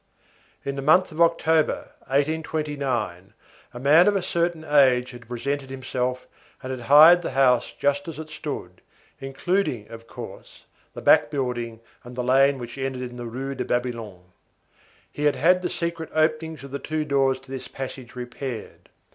In the month of October, 1829, a man of a certain age had presented himself and had hired the house just as it stood, including, of course, the back building and the lane which ended in the Rue de Babylone. He had had the secret openings of the two doors to this passage repaired.